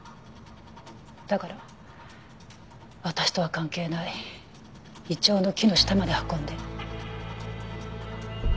だから私とは関係ないイチョウの木の下まで運んで。